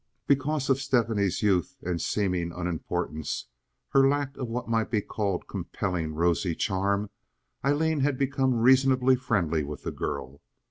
Because of Stephanie's youth and seeming unimportance, her lack of what might be called compelling rosy charm, Aileen had become reasonably friendly with the girl.